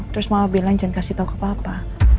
terus mama bilang jangan kasih tau ke papa